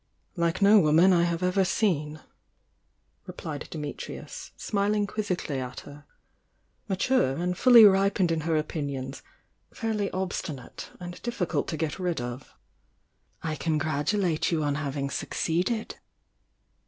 . "Like no woman I have ever seen! replied Di mitrius, smiling quizzically at her. "Mature, and fully ripened in her opinions,— fairiy obstmate, and difiScult to get rid of." THE YOUNG DIANA 147 "I congratulate you on having succeeded!"